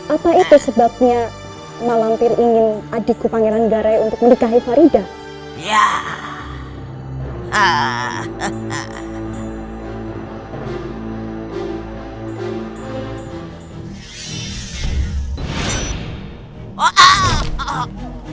apa itu sebabnya malahmpir ingin adikku pangeran gare untuk menikahi farida